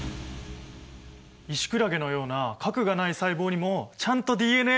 イシクラゲのような核がない細胞にもちゃんとＤＮＡはあるんだね。